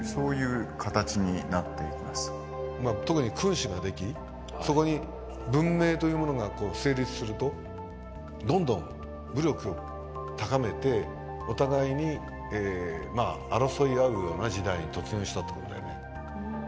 特に君主ができそこに文明というものが成立するとどんどん武力を高めてお互いに争い合うような時代に突入したと思うんだよね。